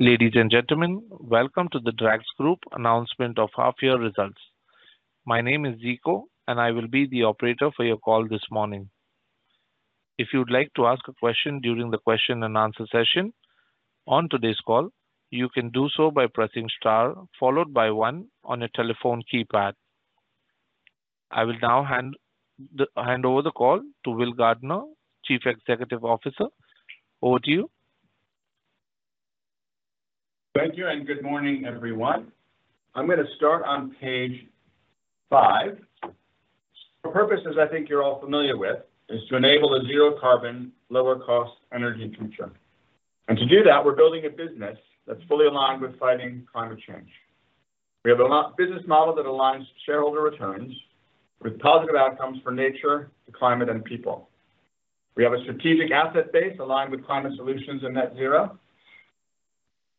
Ladies and gentlemen, welcome to the Drax Group announcement of half-year results. My name is Ziko. I will be the operator for your call this morning. If you'd like to ask a question during the question and answer session on today's call, you can do so by pressing Star, followed by one on your telephone keypad. I will now hand over the call to Will Gardiner, Chief Executive Officer. Over to you. Thank you. Good morning, everyone. I'm going to start on page five. Our purpose, as I think you're all familiar with, is to enable a zero carbon, lower cost energy future. To do that, we're building a business that's fully aligned with fighting climate change. We have a business model that aligns shareholder returns with positive outcomes for nature, the climate, and people. We have a strategic asset base aligned with climate solutions and net zero,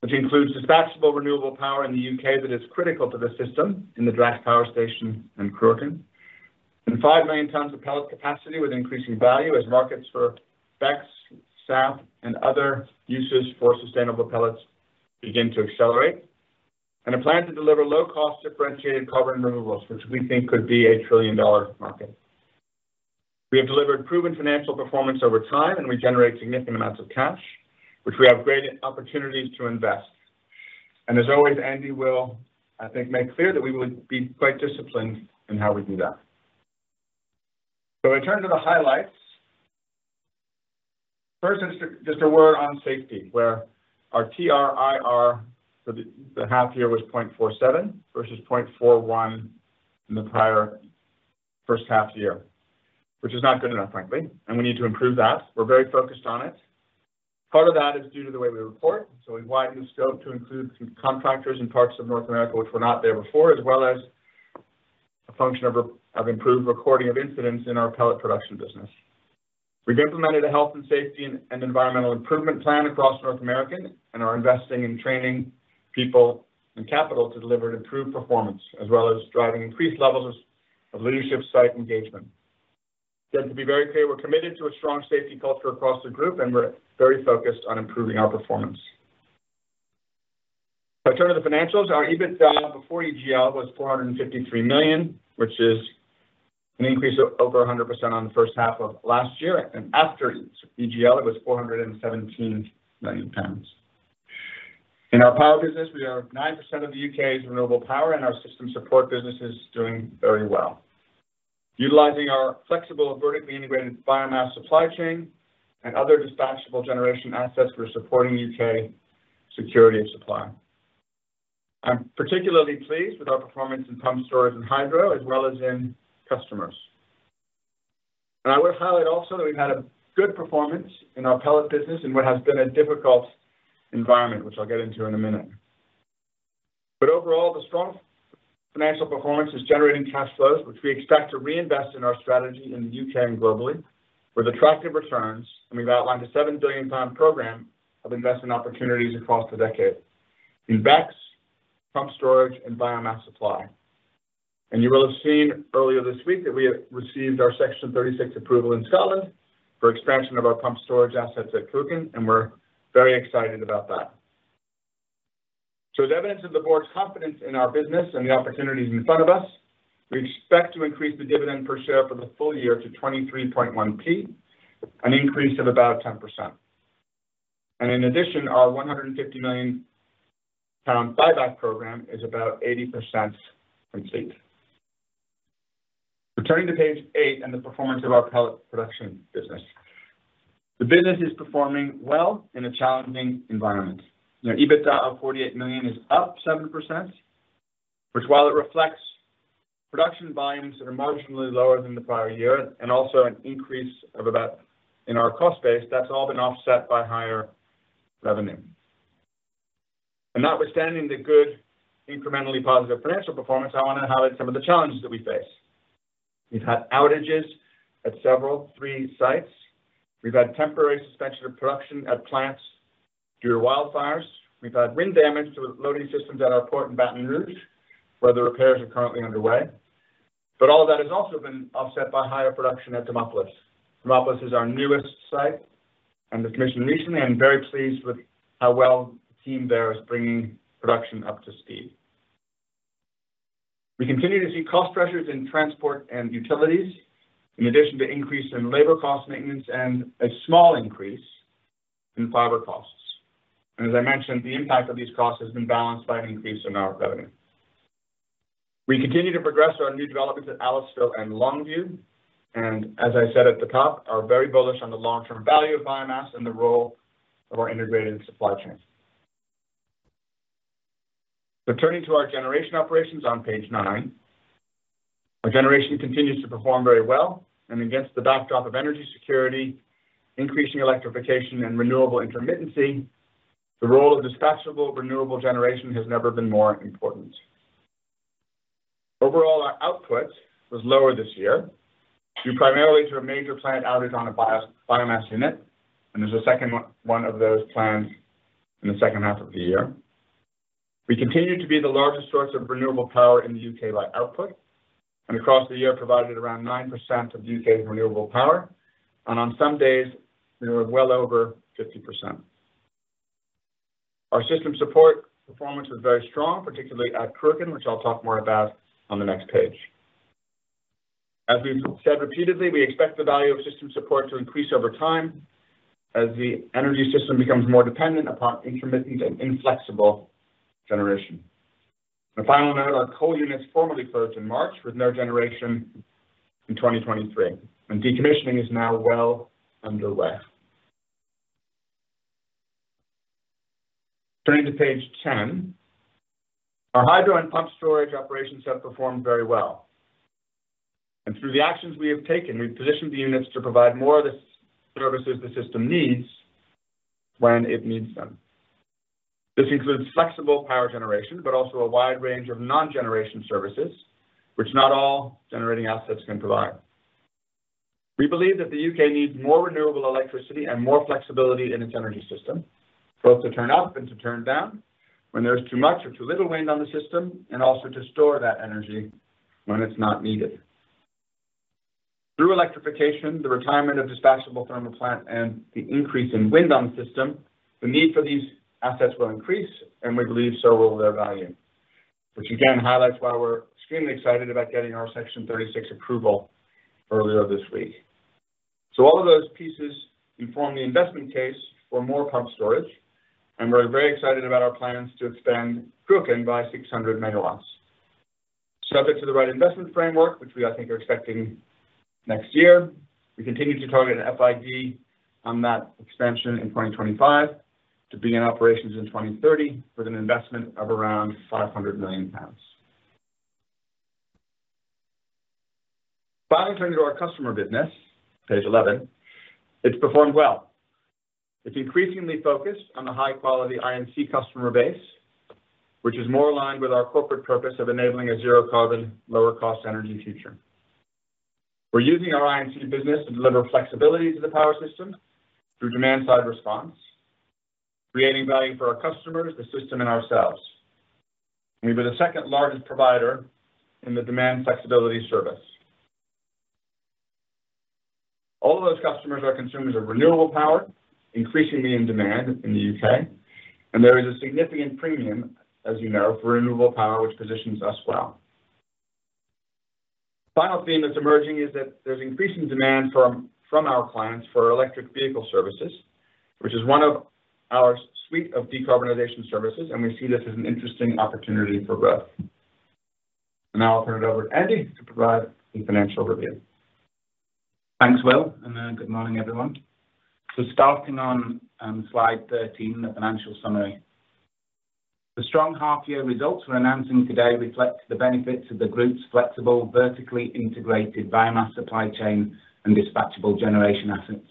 which includes dispatchable renewable power in the U.K that is critical to the system in the Drax Power Station in Selby, and 5 million tons of pellet capacity with increasing value as markets for BECCS, SAF, and other uses for sustainable pellets begin to accelerate, and a plan to deliver low-cost differentiated carbon removals, which we think could be a trillion-dollar market. We have delivered proven financial performance over time, and we generate significant amounts of cash, which we have great opportunities to invest. As always, Andy will, I think, make clear that we would be quite disciplined in how we do that. We turn to the highlights. First is, just a word on safety, where our TRIR for the half year was 0.47 versus 0.41 in the prior first half year, which is not good enough, frankly, and we need to improve that. We're very focused on it. Part of that is due to the way we report, so we've widened the scope to include contractors in parts of North America, which were not there before, as well as a function of improved recording of incidents in our pellet production business. We've implemented a health and safety and environmental improvement plan across North American and are investing in training people and capital to deliver improved performance, as well as driving increased levels of leadership site engagement. Again, to be very clear, we're committed to a strong safety culture across the group, and we're very focused on improving our performance. If I turn to the financials, our EBITDA before EGL was 453 million, which is an increase of over 100% on the first half of last year, and after EGL, it was 417 million pounds. In our power business, we are 9% of the U.K's renewable power, and our system support business is doing very well. Utilizing our flexible, vertically integrated biomass supply chain and other dispatchable generation assets, we're supporting U.K security and supply. I'm particularly pleased with our performance in pumped storage and hydro, as well as in customers. I would highlight also that we've had a good performance in our pellet business in what has been a difficult environment, which I'll get into in a minute. Overall, the strong financial performance is generating cash flows, which we expect to reinvest in our strategy in the U.K. and globally with attractive returns. We've outlined a 7 billion pound program of investment opportunities across the decade in BECCS, pumped storage, and biomass supply. You will have seen earlier this week that we have received our Section 36 approval in Scotland for expansion of our pumped storage assets at Cruachan, and we're very excited about that. As evidence of the board's confidence in our business and the opportunities in front of us, we expect to increase the dividend per share for the full year to 23.1p, an increase of about 10%. In addition, our 150 million pound buyback program is about 80% complete. Returning to page eight and the performance of our pellet production business. The business is performing well in a challenging environment. EBITDA of 48 million is up 7%, which, while it reflects production volumes that are marginally lower than the prior year and also an increase of about in our cost base, that's all been offset by higher revenue. Notwithstanding the good incrementally positive financial performance, I want to highlight some of the challenges that we face. We've had outages at three sites. We've had temporary suspension of production at plants due to wildfires. We've had wind damage to loading systems at our port in Baton Rouge, where the repairs are currently underway. All of that has also been offset by higher production at Demopolis. Demopolis is our newest site and was commissioned recently, I'm very pleased with how well the team there is bringing production up to speed. We continue to see cost pressures in transport and utilities, in addition to increase in labor cost maintenance and a small increase in fiber costs. As I mentioned, the impact of these costs has been balanced by an increase in our revenue. We continue to progress our new developments at Aliceville and Longview, and as I said at the top, are very bullish on the long-term value of biomass and the role of our integrated supply chain. Turning to our generation operations on page 9. Our generation continues to perform very well, and against the backdrop of energy security, increasing electrification, and renewable intermittency, the role of dispatchable renewable generation has never been more important. Overall, our output was lower this year, due primarily to a major plant outage on a biomass unit, and there's a 2nd one of those plants in the 2nd half of the year. We continue to be the largest source of renewable power in the U.K. by output, and across the year provided around 9% of the U.K.'s renewable power, and on some days, we were well over 50%. Our system support performance was very strong, particularly at Cruachan, which I'll talk more about on the next page. As we've said repeatedly, we expect the value of system support to increase over time as the energy system becomes more dependent upon intermittent and inflexible generation. The final note, our coal units formally closed in March, with no generation in 2023, and decommissioning is now well underway. Turning to page 10, our hydro and pump storage operations have performed very well, and through the actions we have taken, we've positioned the units to provide more of the services the system needs when it needs them. This includes flexible power generation, but also a wide range of non-generation services, which not all generating assets can provide. We believe that the U.K. needs more renewable electricity and more flexibility in its energy system, both to turn up and to turn down when there's too much or too little wind on the system, and also to store that energy when it's not needed. Through electrification, the retirement of dispatchable thermal plant, and the increase in wind on the system, the need for these assets will increase, and we believe so will their value. Which again, highlights why we're extremely excited about getting our Section 36 approval earlier this week. All of those pieces inform the investment case for more pump storage, and we're very excited about our plans to expand Cruachan by 600 megawatts. Subject to the right investment framework, which we, I think, are expecting next year, we continue to target an FID on that expansion in 2025 to be in operations in 2030, with an investment of around 500 million pounds. Finally, turning to our customer business, page 11. It's performed well. It's increasingly focused on the high-quality I&C customer base, which is more aligned with our corporate purpose of enabling a zero-carbon, lower-cost energy future. We're using our I&C business to deliver flexibility to the power system through demand-side response, creating value for our customers, the system, and ourselves. We were the second-largest provider in the Demand Flexibility Service. All of those customers are consumers of renewable power, increasingly in demand in the U.K, and there is a significant premium, as you know, for renewable power, which positions us well. The final theme that's emerging is that there's increasing demand from our clients for electric vehicle services, which is one of our suite of decarbonization services, and we see this as an interesting opportunity for growth. Now I'll turn it over to Andy to provide the financial review. Thanks, Will Gardiner. Good morning, everyone. Starting on slide 13, the financial summary. The strong half-year results we're announcing today reflect the benefits of the Group's flexible, vertically integrated biomass supply chain and dispatchable generation assets.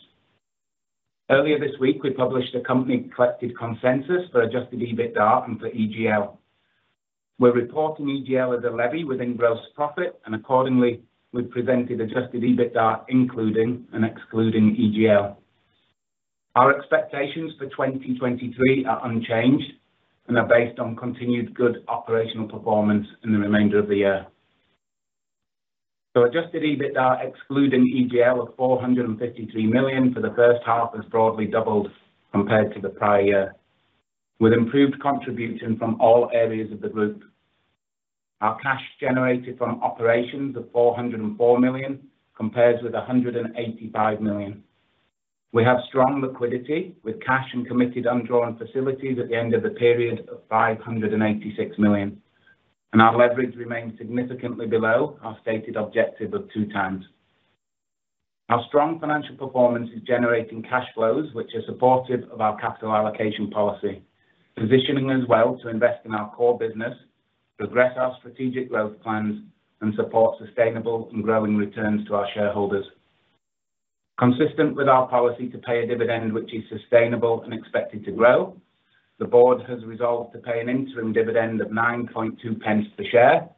Earlier this week, we published a company-collected consensus for adjusted EBITDA and for EGL. We're reporting EGL as a levy within gross profit, and accordingly, we've presented adjusted EBITDA, including and excluding EGL. Our expectations for 2023 are unchanged and are based on continued good operational performance in the remainder of the year. Adjusted EBITDA, excluding EGL, of 453 million for the first half, has broadly doubled compared to the prior year, with improved contribution from all areas of the group. Our cash generated from operations of 404 million, compares with 185 million. We have strong liquidity with cash and committed undrawn facilities at the end of the period of 586 million, and our leverage remains significantly below our stated objective of 2 times. Our strong financial performance is generating cash flows, which are supportive of our capital allocation policy, positioning us well to invest in our core business, progress our strategic growth plans, and support sustainable and growing returns to our shareholders. Consistent with our policy to pay a dividend which is sustainable and expected to grow, the Board has resolved to pay an interim dividend of 9.2 pence per share,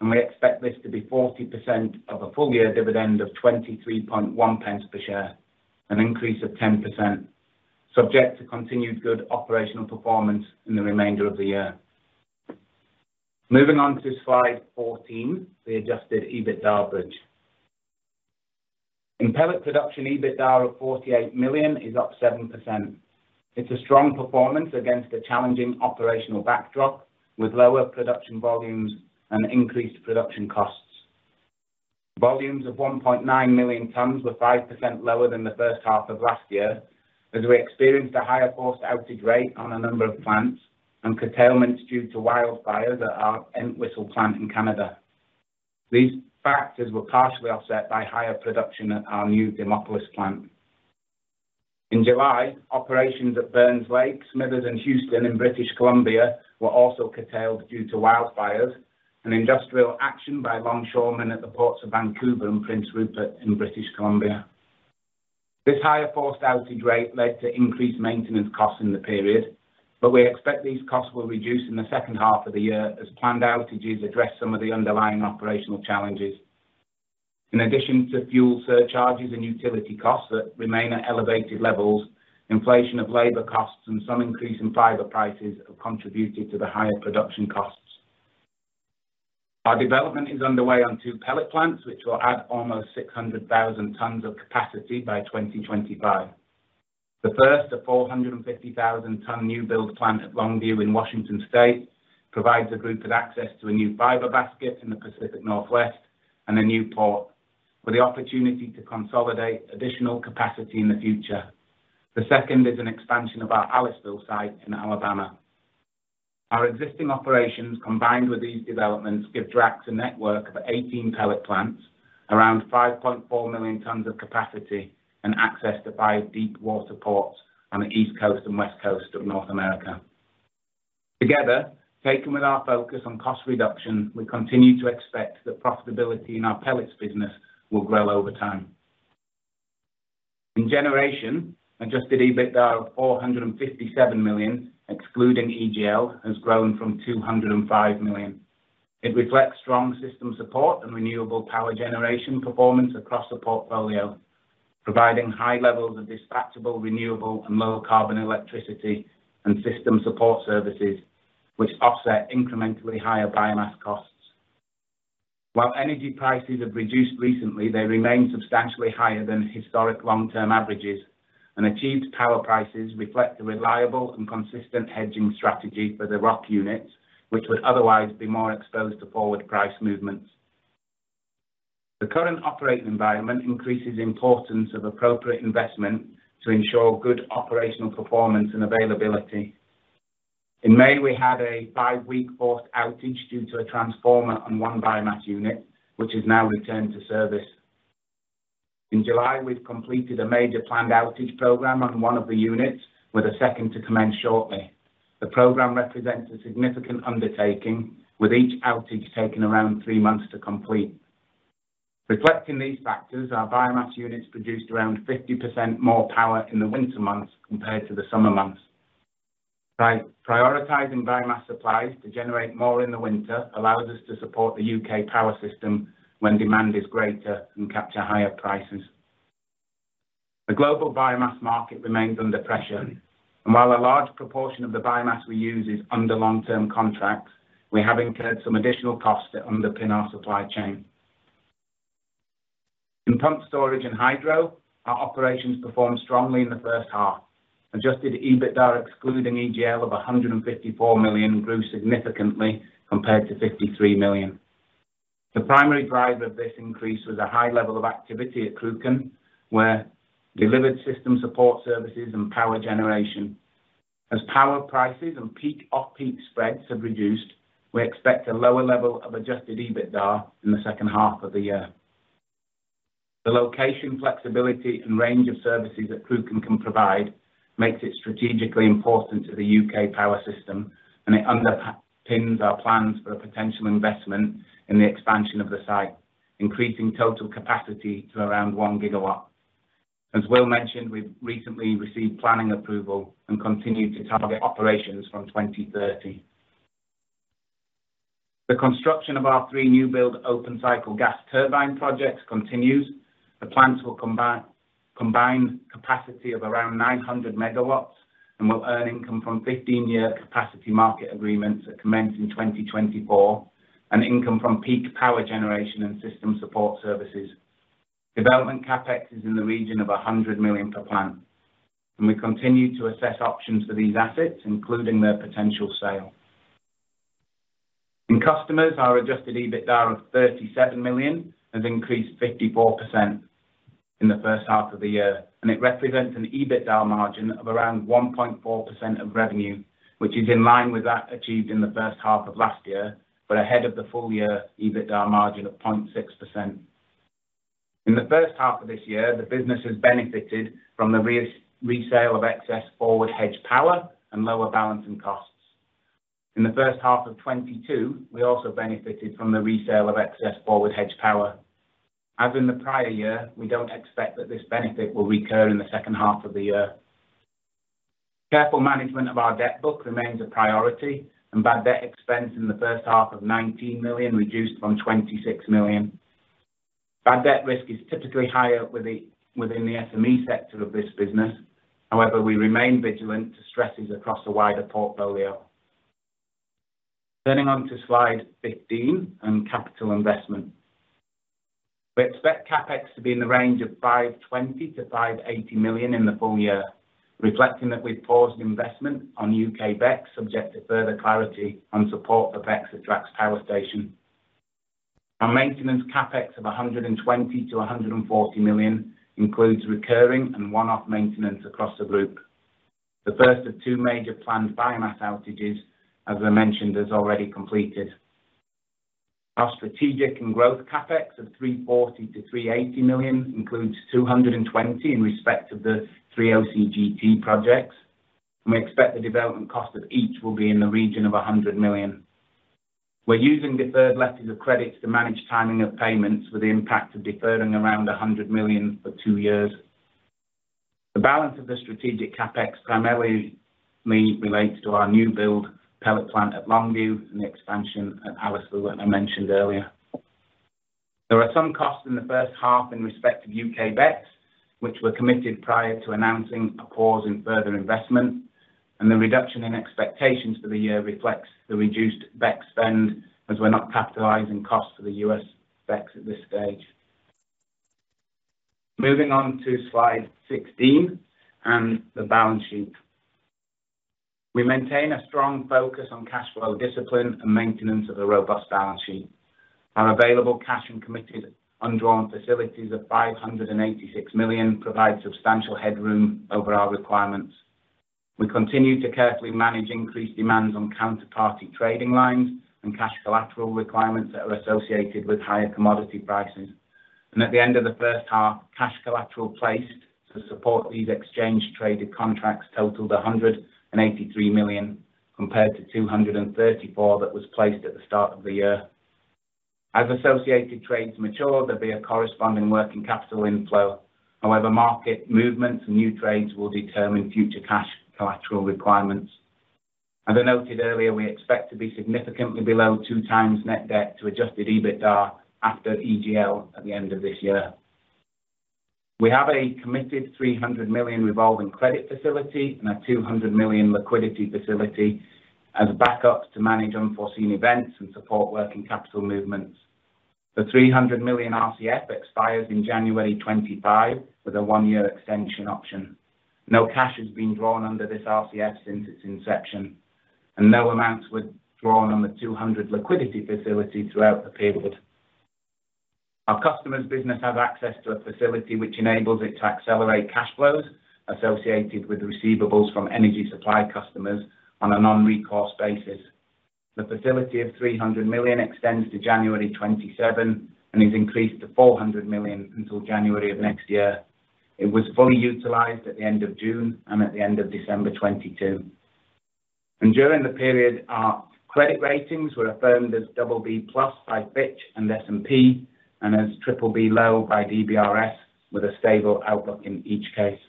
and we expect this to be 40% of a full-year dividend of 23.1 pence per share, an increase of 10%, subject to continued good operational performance in the remainder of the year. Moving on to slide 14, the adjusted EBITDA bridge. In pellet production, EBITDA of 48 million is up 7%. It's a strong performance against a challenging operational backdrop, with lower production volumes and increased production costs. Volumes of 1.9 million tonnes were 5% lower than the first half of last year, as we experienced a higher forced outage rate on a number of plants and curtailments due to wildfires at our Entwistle plant in Canada. These factors were partially offset by higher production at our new Demopolis plant. In July, operations at Burns Lake, Smithers, and Houston in British Columbia were also curtailed due to wildfires and industrial action by longshoremen at the ports of Vancouver and Prince Rupert in British Columbia. This higher forced outage rate led to increased maintenance costs in the period, but we expect these costs will reduce in the second half of the year as planned outages address some of the underlying operational challenges. In addition to fuel surcharges and utility costs that remain at elevated levels, inflation of labor costs and some increase in fiber prices have contributed to the higher production costs. Our development is underway on two pellet plants, which will add almost 600,000 tons of capacity by 2025. The first, a 450,000 ton new build plant at Longview in Washington State, provides the group with access to a new fiber basket in the Pacific Northwest and a new port, with the opportunity to consolidate additional capacity in the future. The second is an expansion of our Aliceville site in Alabama. Our existing operations, combined with these developments, give Drax a network of 18 pellet plants, around 5.4 million tons of capacity and access to 5 deep water ports on the East Coast and West Coast of North America. Together, taken with our focus on cost reduction, we continue to expect that profitability in our pellets business will grow over time. In generation, adjusted EBITDA of 457 million, excluding EGL, has grown from 205 million. It reflects strong system support and renewable power generation performance across the portfolio, providing high levels of dispatchable, renewable and low carbon electricity and system support services, which offset incrementally higher biomass costs. While energy prices have reduced recently, they remain substantially higher than historic long-term averages, and achieved power prices reflect the reliable and consistent hedging strategy for the rock units, which would otherwise be more exposed to forward price movements. The current operating environment increases the importance of appropriate investment to ensure good operational performance and availability. In May, we had a five-week forced outage due to a transformer on one biomass unit, which has now returned to service. In July, we've completed a major planned outage program on one of the units, with a second to commence shortly. The program represents a significant undertaking, with each outage taking around three months to complete. Reflecting these factors, our biomass units produced around 50% more power in the winter months compared to the summer months. By prioritizing biomass supplies to generate more in the winter, allows us to support the U.K power system when demand is greater and capture higher prices. The global biomass market remains under pressure. While a large proportion of the biomass we use is under long-term contracts, we have incurred some additional costs to underpin our supply chain. In pumped storage and hydro, our operations performed strongly in the first half. Adjusted EBITDA, excluding EGL of 154 million, grew significantly compared to 53 million. The primary driver of this increase was a high level of activity at Cruachan, where delivered system support services and power generation. As power prices and peak off-peak spreads have reduced, we expect a lower level of adjusted EBITDA in the second half of the year. The location, flexibility, and range of services that Cruachan can provide makes it strategically important to the U.K power system, and it underpins our plans for a potential investment in the expansion of the site, increasing total capacity to around one gigawatt. As Will mentioned, we've recently received planning approval and continue to target operations from 2030. The construction of our 3 new build open-cycle gas turbine projects continues. The plants will combine capacity of around 900 megawatts and will earn income from 15-year Capacity Market agreements that commence in 2024, and income from peak power generation and system support services. Development CapEx is in the region of 100 million per plant, and we continue to assess options for these assets, including their potential sale. In customers, our adjusted EBITDA of 37 million has increased 54% in the first half of the year. It represents an EBITDA margin of around 1.4% of revenue, which is in line with that achieved in the first half of last year, ahead of the full year EBITDA margin of 0.6%. In the first half of this year, the business has benefited from the resale of excess forward hedge power and lower balancing costs. In the first half of 2022, we also benefited from the resale of excess forward hedge power. As in the prior year, we don't expect that this benefit will recur in the second half of the year. Careful management of our debt book remains a priority. Bad debt expense in the first half of 19 million, reduced from 26 million. Bad debt risk is typically higher within the SME sector of this business. We remain vigilant to stresses across a wider portfolio. Turning on to slide 15 and capital investment. We expect CapEx to be in the range of 520 million-580 million in the full year, reflecting that we've paused investment on U.K BECCS, subject to further clarity on support for BECCS at Drax Power Station. Our maintenance CapEx of 120 million-140 million includes recurring and one-off maintenance across the group. The first of two major planned biomass outages, as I mentioned, is already completed. Our strategic and growth CapEx of 340 million-380 million includes 220 million in respect of the three OCGT projects. We expect the development cost of each will be in the region of 100 million. We're using deferred letters of credit to manage timing of payments, with the impact of deferring around 100 million for two years. The balance of the strategic CapEx primarily, mainly relates to our new build pellet plant at Longview and the expansion at Aliceville that I mentioned earlier. There are some costs in the first half in respect of U.K BECCS, which were committed prior to announcing a pause in further investment, and the reduction in expectations for the year reflects the reduced BECCS spend, as we're not capitalizing costs for the U.S BECCS at this stage. Moving on to slide 16 and the balance sheet. We maintain a strong focus on cash flow discipline and maintenance of a robust balance sheet. Our available cash and committed undrawn facilities of 586 million provide substantial headroom over our requirements. We continue to carefully manage increased demands on counterparty trading lines and cash collateral requirements that are associated with higher commodity prices. At the end of the first half, cash collateral placed to support these exchange traded contracts totaled 183 million, compared to 234 million that was placed at the start of the year. As associated trades mature, there'll be a corresponding working capital inflow. However, market movements and new trades will determine future cash collateral requirements. As I noted earlier, we expect to be significantly below two times net debt to adjusted EBITDA after EGL at the end of this year. We have a committed 300 million revolving credit facility and a 200 million liquidity facility as backups to manage unforeseen events and support working capital movements. The 300 million RCF expires in January 2025, with a one-year extension option. No cash has been drawn under this RCF since its inception, and no amounts were drawn on the 200 liquidity facility throughout the period. Our customers' business has access to a facility which enables it to accelerate cash flows associated with receivables from energy supply customers on a non-recourse basis. The facility of 300 million extends to January 2027 and is increased to 400 million until January of next year. It was fully utilized at the end of June and at the end of December 2022. During the period, our credit ratings were affirmed as BB+ by Fitch and S&P, and as BBB (low) by DBRS, with a stable outlook in each case.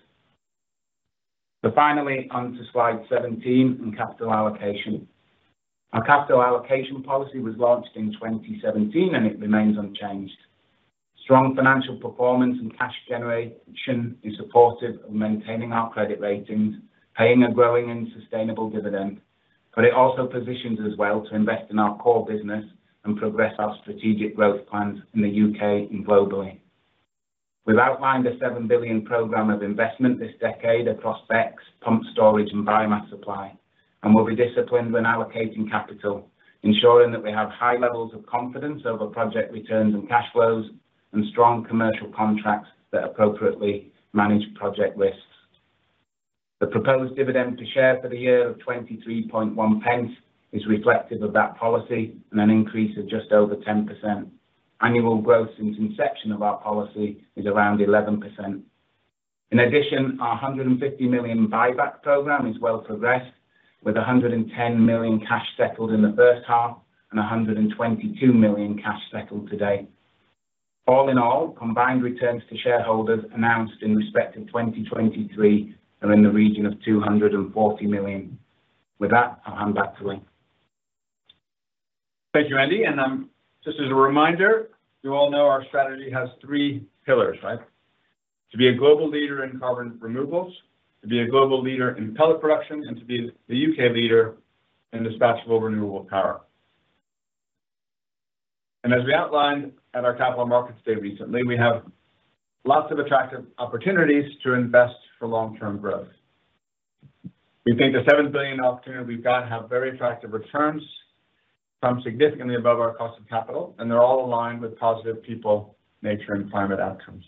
Finally, on to slide 17 and capital allocation. Our capital allocation policy was launched in 2017, and it remains unchanged. Strong financial performance and cash generation is supportive of maintaining our credit ratings, paying a growing and sustainable dividend. It also positions us well to invest in our core business and progress our strategic growth plans in the U.K and globally. We've outlined a 7 billion program of investment this decade across BECCS, pumped storage, and biomass supply, and we'll be disciplined when allocating capital, ensuring that we have high levels of confidence over project returns and cash flows and strong commercial contracts that appropriately manage project risks. The proposed dividend per share for the year of 23.1 pence is reflective of that policy and an increase of just over 10%. Annual growth since inception of our policy is around 11%. Our 150 million buyback program is well progressed, with 110 million cash settled in the first half and 122 million cash settled to date. All in all, combined returns to shareholders announced in respect of 2023 are in the region of 240 million. With that, I'll hand back to Will. Thank you, Andy. Just as a reminder, you all know our strategy has three pillars, right? To be a global leader in carbon removals, to be a global leader in pellet production, and to be the U.K leader in dispatchable renewable power. As we outlined at our Capital Markets Day recently, we have lots of attractive opportunities to invest for long-term growth. We think the 7 billion opportunity we've got have very attractive returns from significantly above our cost of capital, and they're all aligned with positive people, nature, and climate outcomes.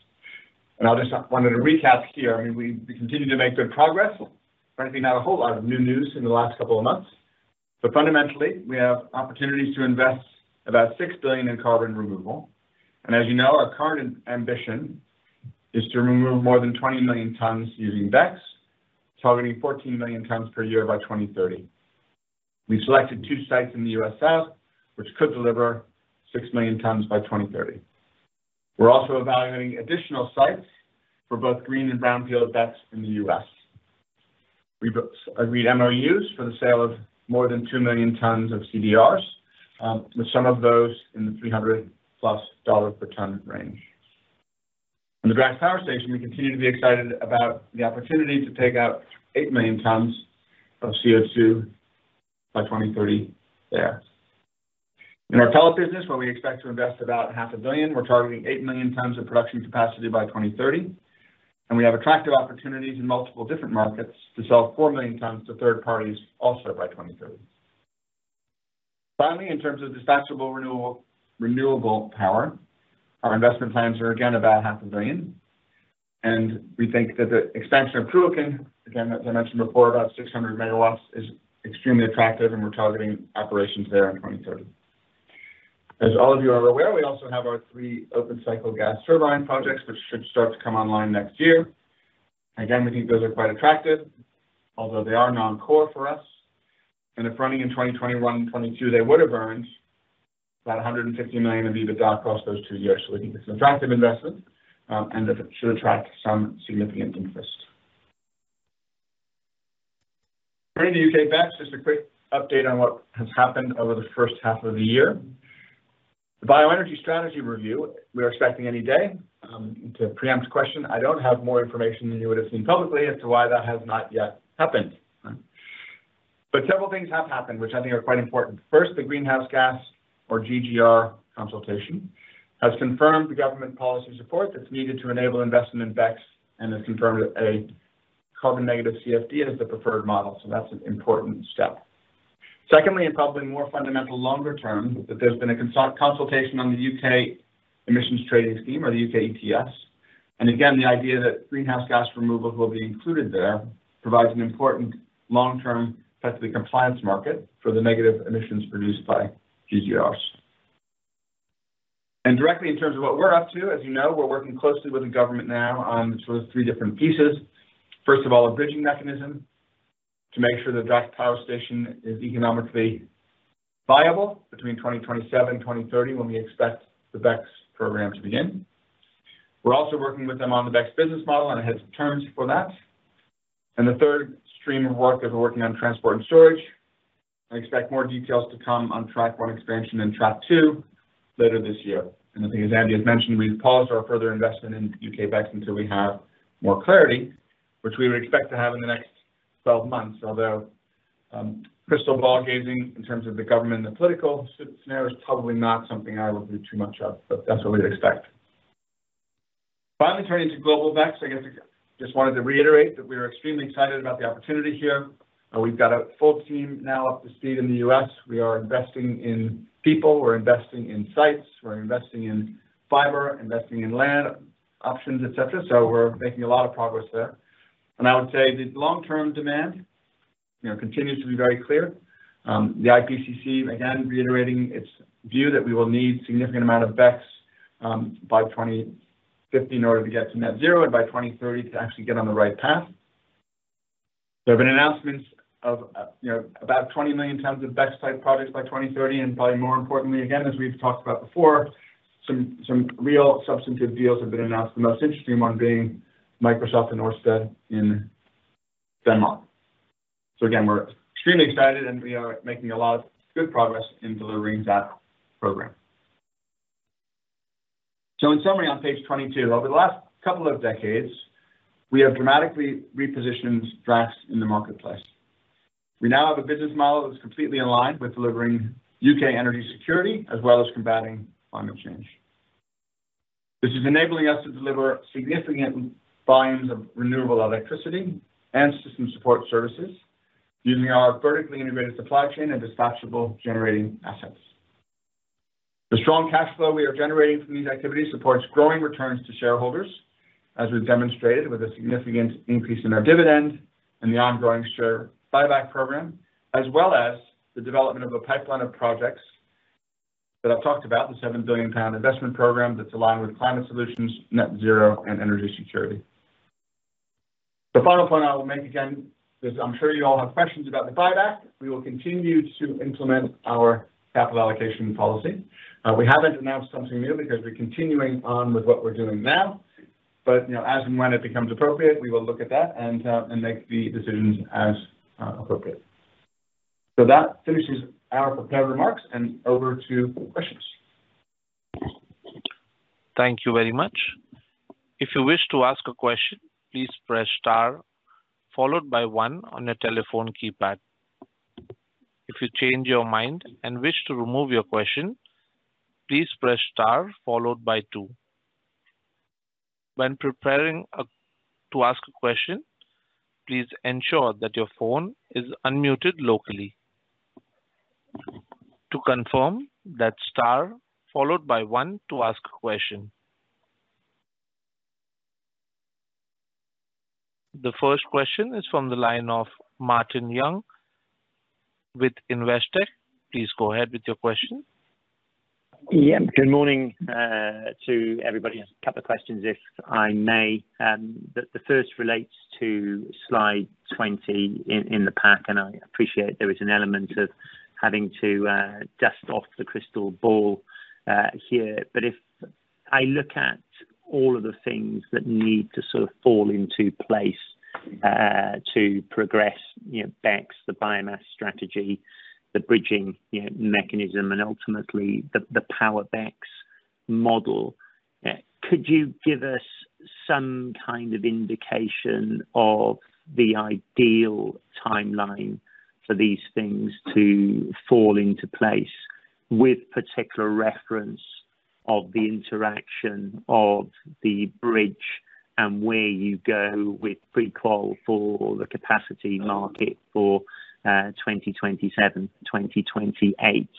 I just wanted to recap here. I mean, we continue to make good progress. Frankly, not a whole lot of new news in the last couple of months, but fundamentally, we have opportunities to invest about 6 billion in carbon removal. As you know, our current ambition is to remove more than 20 million tonnes using BECCS, targeting 14 million tonnes per year by 2030. We selected two sites in the U.S. South, which could deliver six million tonnes by 2030. We're also evaluating additional sites for both green and brownfield BECCS in the U.S. We've agreed MOUs for the sale of more than two million tonnes of CDRs, with some of those in the $300 plus per tonne range. On the Drax Power Station, we continue to be excited about the opportunity to take out eight million tonnes of CO2 by 2030 there. In our pellet business, where we expect to invest about 0.5 billion, we're targeting 8 million tonnes of production capacity by 2030. We have attractive opportunities in multiple different markets to sell four million tonnes to third parties also by 2030. Finally, in terms of dispatchable renewable power, our investment plans are again about 0.5 billion. We think that the expansion of Cruachan, again, as I mentioned before, about 600 megawatts, is extremely attractive. We're targeting operations there in 2030. As all of you are aware, we also have our three open-cycle gas turbine projects, which should start to come online next year. We think those are quite attractive, although they are non-core for us, and if running in 2021 and 2022, they would have earned-... about 150 million of EBITDA across those two years. We think it's an attractive investment, and it should attract some significant interest. Turning to U.K BECCS, just a quick update on what has happened over the first half of the year. The Biomass Strategy review, we are expecting any day. To preempt a question, I don't have more information than you would have seen publicly as to why that has not yet happened, huh. Several things have happened, which I think are quite important. First, the greenhouse gas or GGR consultation, has confirmed the government policy support that's needed to enable investment in BECCS and has confirmed a carbon negative CFD as the preferred model, so that's an important step. Secondly, and probably more fundamental longer term, that there's been a consultation on the U.K Emissions Trading Scheme or the U.K ETS. Again, the idea that greenhouse gas removal will be included there, provides an important long-term potentially compliance market for the negative emissions produced by GGRs. Directly in terms of what we're up to, as you know, we're working closely with the government now on sort of three different pieces. First of all, a bridging mechanism to make sure that Drax Power Station is economically viable between 2027 and 2030, when we expect the BECCS program to begin. We're also working with them on the BECCS business model, and I have some terms for that. The third stream of work is we're working on transport and storage. I expect more details to come on track one expansion and track two later this year. I think as Andy has mentioned, we've paused our further investment in U.K BECCS until we have more clarity, which we would expect to have in the next 12 months. Although, crystal ball gazing in terms of the government and the political scenario is probably not something I would do too much of, but that's what we'd expect. Finally, turning to global BECCS, I guess I just wanted to reiterate that we are extremely excited about the opportunity here. We've got a full team now up to speed in the U.S. We are investing in people, we're investing in sites, we're investing in fiber, investing in land options, et cetera. We're making a lot of progress there. I would say the long-term demand, you know, continues to be very clear. The IPCC, again, reiterating its view that we will need significant amount of BECCS, by 2050 in order to get to net zero, and by 2030 to actually get on the right path. There have been announcements of, you know, about 20 million tons of BECCS-type projects by 2030, and probably more importantly, again, as we've talked about before, some real substantive deals have been announced, the most interesting one being Microsoft and Ørsted in Denmark. Again, we're extremely excited, and we are making a lot of good progress in delivering that program. In summary, on page 22, over the last couple of decades, we have dramatically repositioned Drax in the marketplace. We now have a business model that's completely aligned with delivering U.K energy security, as well as combating climate change. This is enabling us to deliver significant volumes of renewable electricity and system support services, using our vertically integrated supply chain and dispatchable generating assets. The strong cash flow we are generating from these activities supports growing returns to shareholders, as we've demonstrated with a significant increase in our dividend and the ongoing share buyback program, as well as the development of a pipeline of projects that I've talked about, the 7 billion pound investment program that's aligned with climate solutions, net zero and energy security. The final point I will make again, is I'm sure you all have questions about the buyback. We will continue to implement our capital allocation policy. We haven't announced something new because we're continuing on with what we're doing now. You know, as and when it becomes appropriate, we will look at that and make the decisions as appropriate. That finishes our prepared remarks, and over to questions. Thank you very much. If you wish to ask a question, please press Star, followed by one on your telephone keypad. If you change your mind and wish to remove your question, please press Star followed by two. When preparing to ask a question, please ensure that your phone is unmuted locally. To confirm, that's Star, followed by one to ask a question. The first question is from the line of Martin Young with Investec. Please go ahead with your question. Yeah. Good morning to everybody. A couple of questions, if I may. The first relates to slide 20 in the pack, and I appreciate there is an element of having to dust off the crystal ball here. If I look at all of the things that need to sort of fall into place to progress, you know, BECCS, the Biomass Strategy, the bridging, you know, mechanism, and ultimately the Power BECCS model, could you give us some kind of indication of the ideal timeline for these things to fall into place, with particular reference of the interaction of the bridge and where you go with pre-qual for the Capacity Market for 2027, 2028?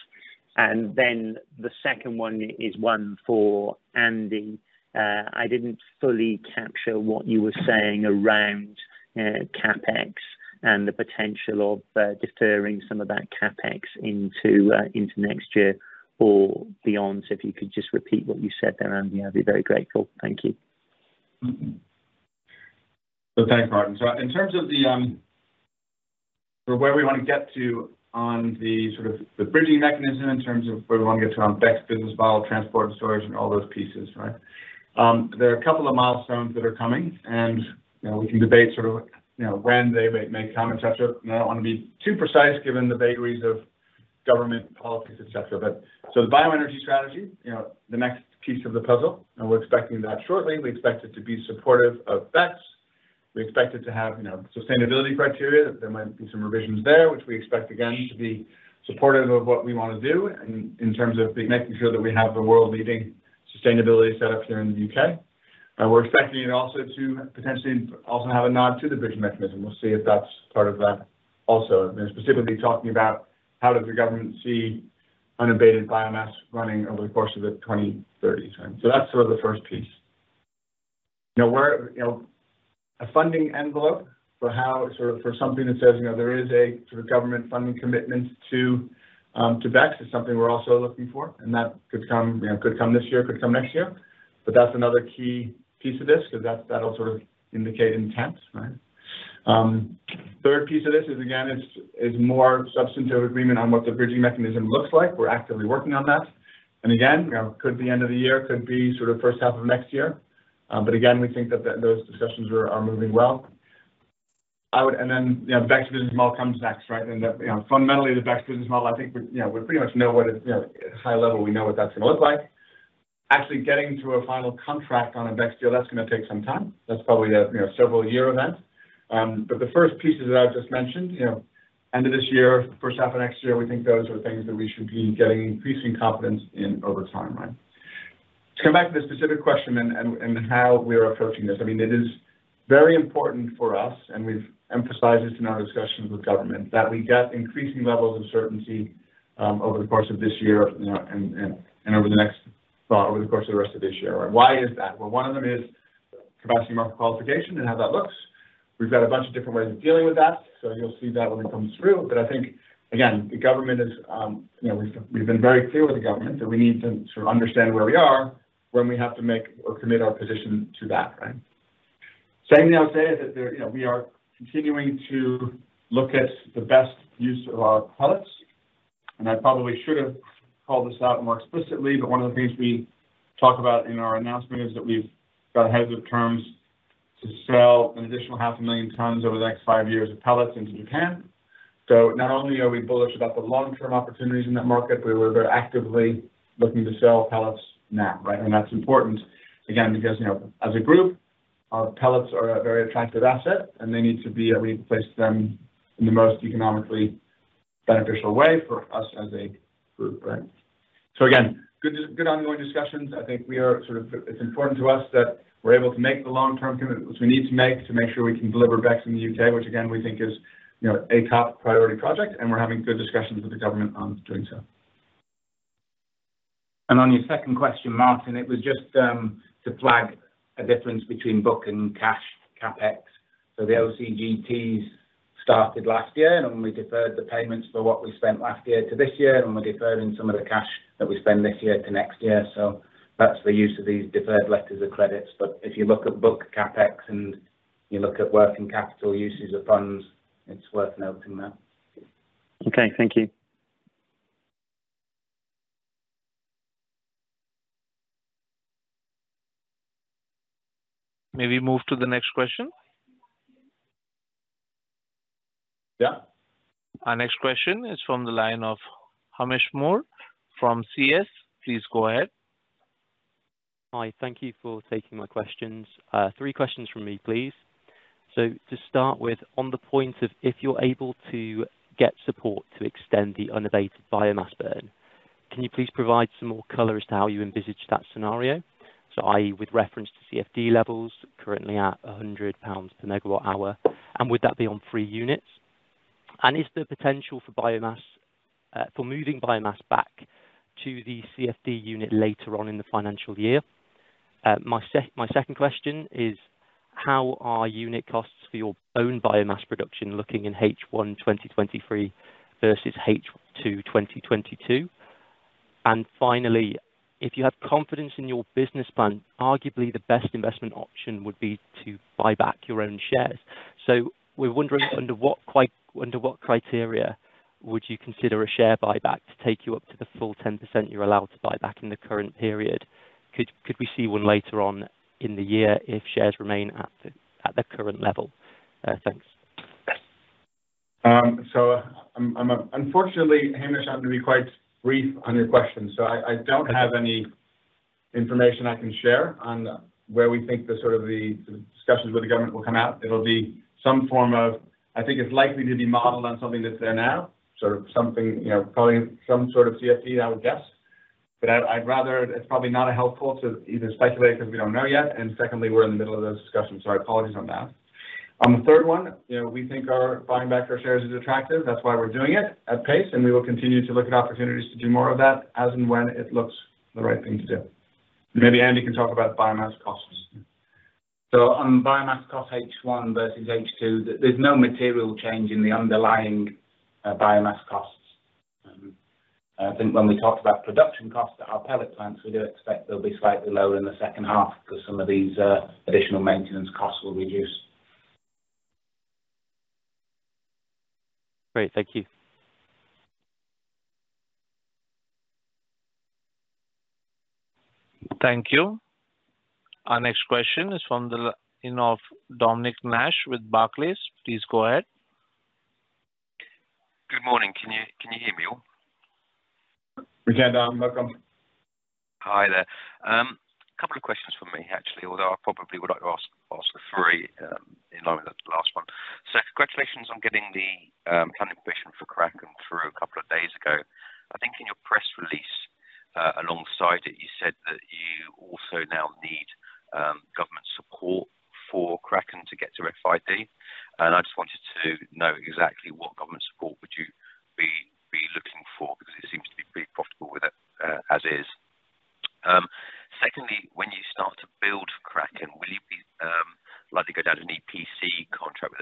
The second one is one for Andy. I didn't fully capture what you were saying around CapEx and the potential of deferring some of that CapEx into next year or beyond. If you could just repeat what you said there, Andy, I'd be very grateful. Thank you. Mm-hmm. Thank you, Martin. In terms of the CapEx for where we want to get to on the sort of the bridging mechanism in terms of where we want to get to on BECCS business model, transport, storage, and all those pieces, right? There are a couple of milestones that are coming, and, you know, we can debate sort of, you know, when they may come, et cetera. I don't want to be too precise, given the vagaries of government policies, et cetera. The bioenergy strategy, you know, the next piece of the puzzle, and we're expecting that shortly. We expect it to be supportive of BECCS. We expect it to have, you know, sustainability criteria, that there might be some revisions there, which we expect, again, to be supportive of what we want to do in terms of making sure that we have the world-leading sustainability set up here in the U.K. We're expecting it also to potentially also have a nod to the bridging mechanism. We'll see if that's part of that also. Specifically talking about how does the government see unabated biomass running over the course of the 2030 term. That's sort of the first piece. You know, where, you know, a funding envelope for how sort of for something that says, you know, there is a sort of government funding commitment to BECCS is something we're also looking for, and that could come, you know, could come this year, could come next year. That's another key piece of this 'cause that's, that'll sort of indicate intent, right? Third piece of this is, again, is more substantive agreement on what the bridging mechanism looks like. We're actively working on that. Again, you know, could be end of the year, could be sort of first half of next year. But again, we think that those discussions are moving well. Then, you know, BECCS business model comes next, right? You know, fundamentally, the BECCS business model, I think we, you know, we pretty much know what it, you know, high level, we know what that's going to look like. Actually getting to a final contract on a BECCS deal, that's going to take some time. That's probably a, you know, several year event. The first pieces that I've just mentioned, you know, end of this year, first half of next year, we think those are things that we should be getting increasing confidence in over time, right? To come back to the specific question and how we're approaching this, I mean, it is very important for us, and we've emphasized this in our discussions with government, that we get increasing levels of certainty, over the course of this year, you know, and over the course of the rest of this year, right? Why is that? Well, one of them is Capacity Market qualification and how that looks. We've got a bunch of different ways of dealing with that, so you'll see that when it comes through. I think, again, the government is, you know, we've been very clear with the government that we need to sort of understand where we are when we have to make or commit our position to that, right? Same, I would say, is that there, you know, we are continuing to look at the best use of our pellets, and I probably should have called this out more explicitly, but one of the things we talk about in our announcement is that we've got a head of terms to sell an additional half a million tons over the next five years of pellets into Japan. Not only are we bullish about the long-term opportunities in that market, we're very actively looking to sell pellets now, right? That's important, again, because, you know, as a group, our pellets are a very attractive asset, and they need to be, we place them in the most economically beneficial way for us as a group, right? Again, good ongoing discussions. I think it's important to us that we're able to make the long-term commitments we need to make to make sure we can deliver BECCS in the U.K, which again, we think is, you know, a top priority project, and we're having good discussions with the government on doing so. On your second question, Martin, it was just to flag a difference between book and cash CapEx. The OCGTs started last year, and then we deferred the payments for what we spent last year to this year, and we're deferring some of the cash that we spend this year to next year. That's the use of these deferred letters of credits. If you look at book CapEx, and you look at working capital uses of funds, it's worth noting that. Okay, thank you. May we move to the next question? Yeah. Our next question is from the line of Hamish Moore from CS. Please go ahead. Hi, thank you for taking my questions. Three questions from me, please. To start with, on the point of if you're able to get support to extend the unabated biomass burn, can you please provide some more color as to how you envisage that scenario? I.e., with reference to CFD levels, currently at 100 pounds per megawatt hour, and would that be on three units? Is there potential for biomass, for moving biomass back to the CFD unit later on in the financial year? My second question is, how are unit costs for your own biomass production looking in H1 2023 versus H2 2022? Finally, if you have confidence in your business plan, arguably the best investment option would be to buy back your own shares. we're wondering under what under what criteria would you consider a share buyback to take you up to the full 10% you're allowed to buy back in the current period? Could we see one later on in the year if shares remain at the current level? thanks. I'm, unfortunately, Hamish, I don't have any information I can share on where we think the sort of the discussions with the government will come out. It'll be some form of... I think it's likely to be modeled on something that's there now, sort of something, you know, probably some sort of CFD, I would guess. I'd rather it's probably not helpful to either speculate because we don't know yet, and secondly, we're in the middle of those discussions, so I apologize on that. On the third one, you know, we think our buying back our shares is attractive. That's why we're doing it at pace, and we will continue to look at opportunities to do more of that as and when it looks the right thing to do. Maybe Andy can talk about biomass costs. On biomass cost H1 versus H2, there's no material change in the underlying biomass costs. I think when we talked about production costs at our pellet plants, we do expect they'll be slightly lower in the second half, because some of these additional maintenance costs will reduce. Great. Thank you. Thank you. Our next question is from the line of Dominic Nash with Barclays. Please go ahead. Good morning. Can you hear me all? We can, Dom. Welcome. Hi there. A couple of questions from me, actually, although I probably would like to ask for three, in light of the last one. Congratulations on getting the planning permission for Cruachan through two days ago. I think in your press release, alongside it, you said that you also now need government support for Cruachan to get to FID. I just wanted to know exactly what government support would you be looking for, because it seems to be pretty profitable with it as is? Secondly, when you start to build Cruachan, will you be likely to go down an EPC contract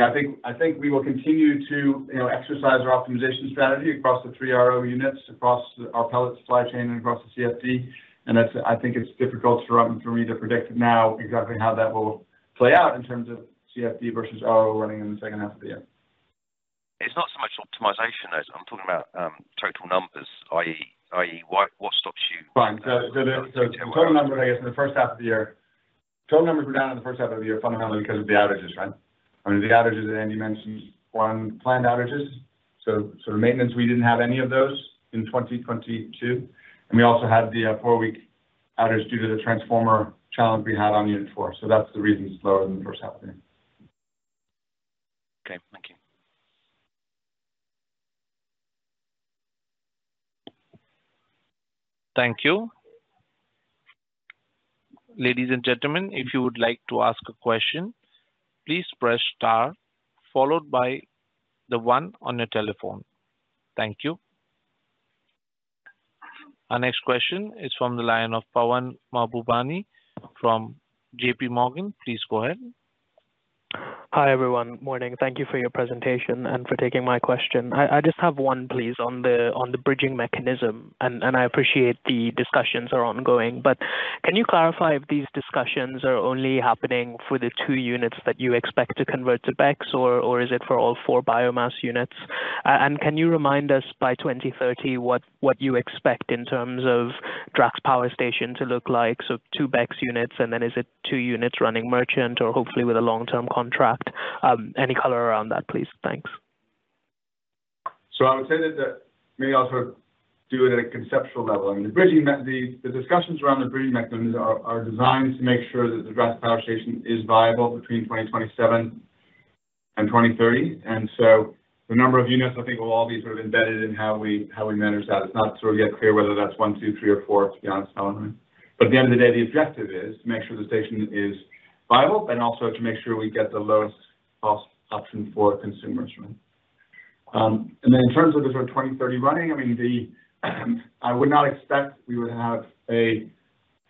I think we will continue to, you know, exercise our optimization strategy across the three RO units, across our pellet supply chain, and across the CFD. I think it's difficult for me to predict now exactly how that will play out in terms of CFD versus RO running in the second half of the year. It's not so much optimization, though. I'm talking about total numbers, i.e., what stops you? Right. The total number, I guess, in the first half of the year, total numbers were down in the first half of the year, fundamentally because of the outages, right? I mean, the outages that Andy mentioned, one, planned outages. Sort of maintenance, we didn't have any of those in 2022, we also had the four-week outage due to the transformer challenge we had on unit four. That's the reason it's lower than the first half of the year. Okay. Thank you. Thank you. Ladies and gentlemen, if you would like to ask a question, please press star followed by the one on your telephone. Thank you. Our next question is from the line of Pavan Mahbubani from JPMorgan. Please go ahead. Hi, everyone. Morning. Thank you for your presentation and for taking my question. I just have one, please, on the bridging mechanism, and I appreciate the discussions are ongoing. Can you clarify if these discussions are only happening for the two units that you expect to convert to BECCS or is it for all four biomass units? Can you remind us by 2030, what you expect in terms of Drax Power Station to look like, so two BECCS units, and then is it two units running merchant or hopefully with a long-term contract? Any color around that, please? Thanks. I would say that the... Maybe I'll sort of do it at a conceptual level. I mean, the discussions around the bridging mechanisms are designed to make sure that the Drax Power Station is viable between 2027 and 2030. The number of units, I think, will all be sort of embedded in how we manage that. It's not sort of yet clear whether that's one, two, three, or four, to be honest, Pavan. At the end of the day, the objective is to make sure the station is viable and also to make sure we get the lowest cost option for consumers, right? In terms of the sort of 2030 running, I mean, I would not expect we would have a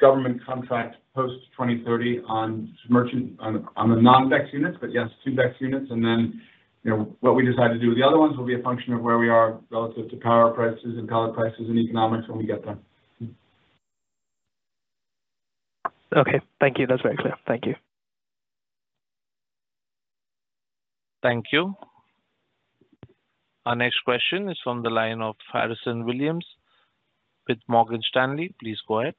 government contract post 2030 on merchant, on the non-BECCS units, but yes, two BECCS units. You know, what we decide to do with the other ones will be a function of where we are relative to power prices and color prices and economics when we get there. Okay. Thank you. That's very clear. Thank you. Thank you. Our next question is from the line of Harry Wyburd with Morgan Stanley. Please go ahead.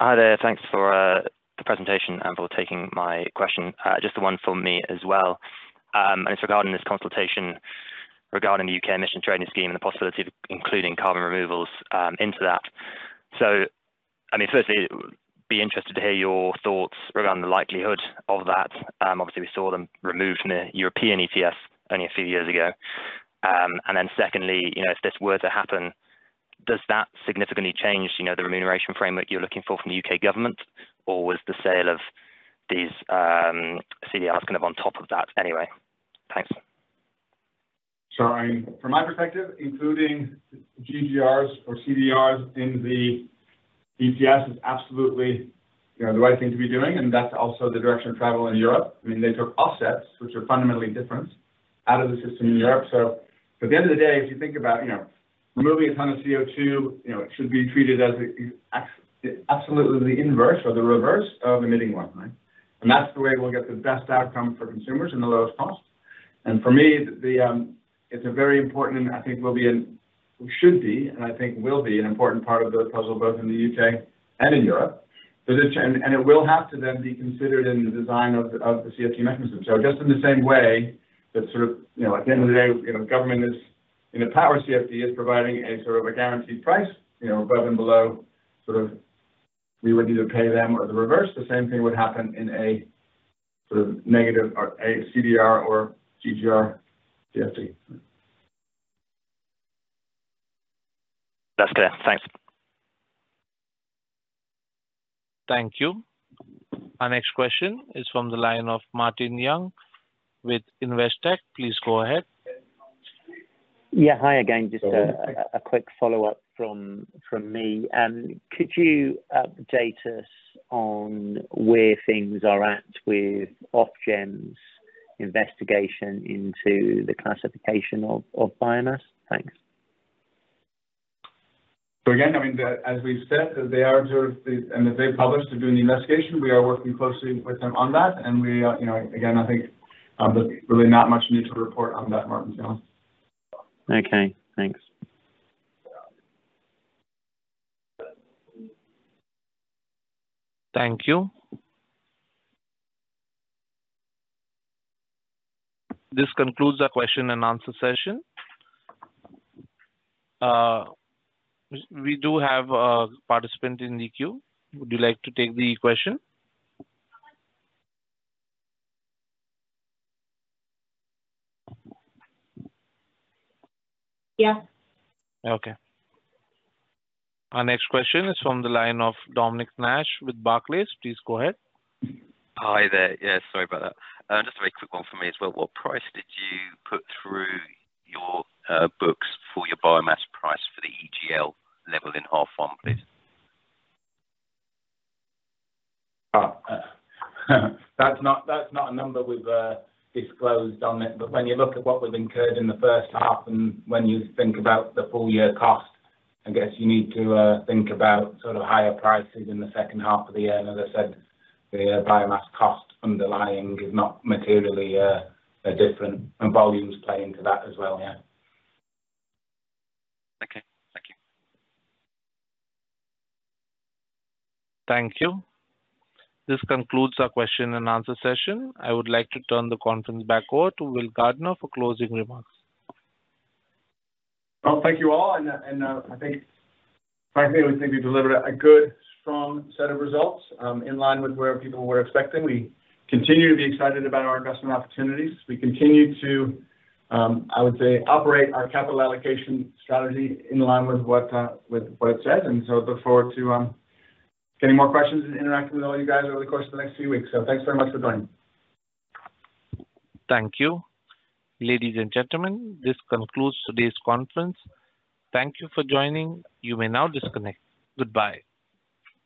Hi there. Thanks for the presentation and for taking my question. Just one from me as well, and it's regarding this consultation regarding the U.K Emissions Trading Scheme and the possibility of including carbon removals into that. I mean, firstly, be interested to hear your thoughts around the likelihood of that. Obviously, we saw them removed from the European ETS only a few years ago. Secondly, you know, if this were to happen, does that significantly change, you know, the remuneration framework you're looking for from the U.K government, or was the sale of these CDRs kind of on top of that anyway? Thanks. From my perspective, including GGRs or CDRs in the CFD, CCS is absolutely, you know, the right thing to be doing. That's also the direction of travel in Europe. I mean, they took offsets, which are fundamentally different, out of the system in Europe. At the end of the day, if you think about, you know, removing a ton of CO2, you know, it should be treated as the absolutely the inverse or the reverse of emitting one, right? That's the way we'll get the best outcome for consumers and the lowest cost. For me, the, it's a very important, and I think will be should be, and I think will be an important part of the puzzle, both in the U.K and in Europe. It will have to then be considered in the design of the, of the CFD mechanism. Just in the same way, that sort of, you know, at the end of the day, you know, government is, in a power CFD, is providing a sort of a guaranteed price, you know, above and below, sort of we would either pay them or the reverse. The same thing would happen in a sort of negative or a CDR or GGR CFD. That's clear. Thanks. Thank you. Our next question is from the line of Martin Young with Investec. Please go ahead. Yeah, hi again. Just a quick follow-up from me. Could you update us on where things are at with Ofgem's investigation into the classification of biomass? Thanks. Again, I mean, as we've said, they are observing, and as they've published, they're doing the investigation. We are working closely with them on that, and we are, you know. Again, I think, there's really not much new to report on that, Martin Young. Okay, thanks. Thank you. This concludes the question and answer session. We do have a participant in the queue. Would you like to take the question? Yeah. Okay. Our next question is from the line of Dominic Nash with Barclays. Please go ahead. Hi there. Yeah, sorry about that. Just a very quick one from me as well. What price did you put through your books for your biomass price for the EGL level in half one, please? That's not a number we've disclosed on it. When you look at what we've incurred in the first half and when you think about the full year cost, I guess you need to think about sort of higher prices in the second half of the year. As I said, the biomass cost underlying is not materially different, and volumes play into that as well. Yeah. Okay. Thank you. Thank you. This concludes our question and answer session. I would like to turn the conference back over to Will Gardiner for closing remarks. Well, thank you all, and I think, frankly, we think we delivered a good, strong set of results, in line with where people were expecting. We continue to be excited about our investment opportunities. We continue to, I would say, operate our capital allocation strategy in line with what it says. Look forward to, getting more questions and interacting with all you guys over the course of the next few weeks. Thanks very much for joining. Thank you. Ladies and gentlemen, this concludes today's conference. Thank you for joining. You may now disconnect. Goodbye.